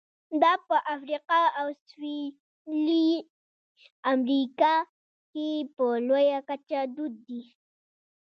دا په افریقا او سوېلي امریکا کې په لویه کچه دود دي.